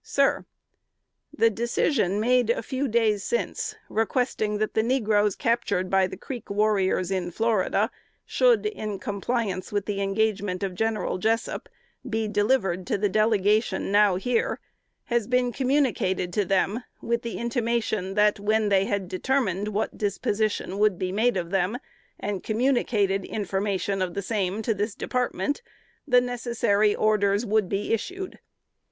SIR: The decision made a few days since, requesting that the negroes captured by the Creek warriors in Florida, should, in compliance with the engagement of General Jessup, be delivered to the Delegation now here, has been communicated to them with the intimation that, when they had determined what disposition would be made of them, and communicated information of the same to this Department, the necessary orders would be issued.